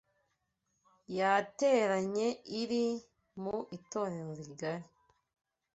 Yateranye iri mu itorero rigari